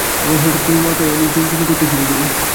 আমার হঠাৎ করে মাথা অনেক যন্ত্রণা করতে শুরু করে।